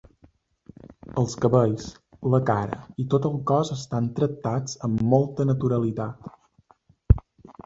Els cabells, la cara i tot el cos estan tractats amb molta naturalitat.